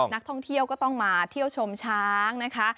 นักท่องเที่ยวก็ต้องมาเที่ยวชมช้างนะคะ